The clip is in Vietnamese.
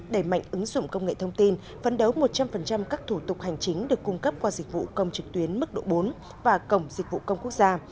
đẩy mạnh ứng dụng công nghệ thông tin phấn đấu một trăm linh các thủ tục hành chính được cung cấp qua dịch vụ công trực tuyến mức độ bốn và cổng dịch vụ công quốc gia